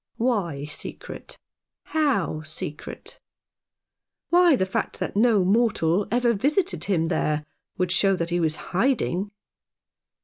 " Why secret ? How secret ?" "Why, the fact that no mortal ever visited him there would show that he. was hiding."